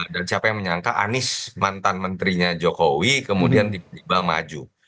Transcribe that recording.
dan siapa yang menyangka anies mantan menterinya jokowi kemudian dipindah maju